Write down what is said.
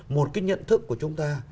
một cái nhận thức của chúng ta